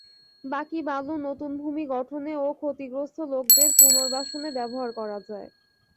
বাকি বালু নতুন ভূমি গঠনে ও ক্ষতিগ্রস্ত লোকদের পুনর্বাসনে ব্যবহার করা যায়।